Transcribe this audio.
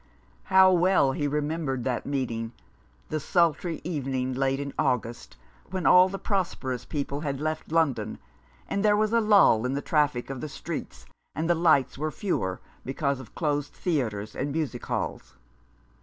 How well he remembered that meeting ; the sultry evening, late in August, when all the prosperous people had left London, and there was a lull in the traffic of the streets, and the lights were fewer because of closed theatres and music halls.